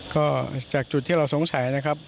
ก็จากจุดที่เราสงสัยนะครับ